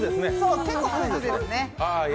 結構、クズですね。